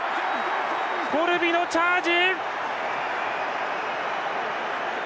コルビのチャージ！